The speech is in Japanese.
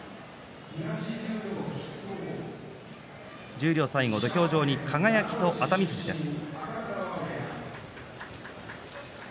十両最後、土俵上に輝と熱海富士です。